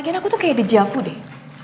lagian aku tuh kayak di japu deh